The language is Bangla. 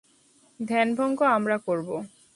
ধ্যানভঙ্গ আমরা করব।